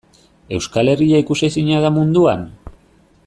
Euskal Herria ikusezina da munduan?